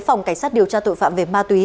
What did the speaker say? phòng cảnh sát điều tra tội phạm về ma túy